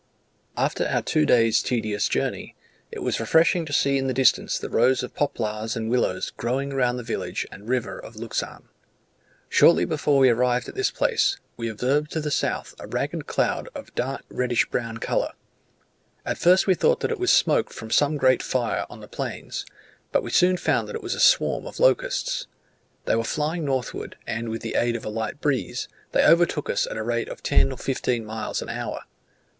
After our two days' tedious journey, it was refreshing to see in the distance the rows of poplars and willows growing round the village and river of Luxan. Shortly before we arrived at this place, we observed to the south a ragged cloud of dark reddish brown colour. At first we thought that it was smoke from some great fire on the plains; but we soon found that it was a swarm of locusts. They were flying northward; and with the aid of a light breeze, they overtook us at a rate of ten or fifteen miles an hour.